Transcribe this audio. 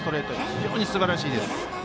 非常にすばらしいです。